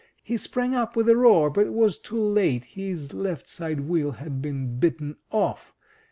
He sprang up with a roar, but it was too late, his left side wheel had been bitten off!